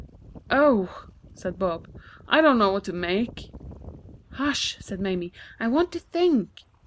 "Oh," said Bob, "I don't know what to make!" "Hush!" said Mamie; "I want to think."